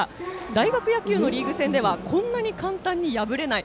大学野球のリーグ戦ではこんなに簡単に破れない。